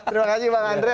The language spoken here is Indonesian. terima kasih pak andre